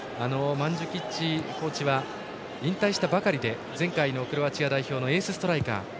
マンジュキッチコーチは引退したばかりで前回のクロアチア代表のエースストライカー。